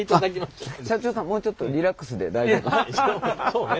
そうね。